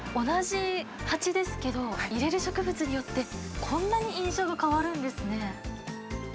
同じ鉢ですけど、入れる植物によって、こんなに印象が変わるんですね。